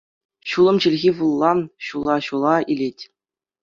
Ҫулӑм чӗлхи вулла ҫула-ҫула илет.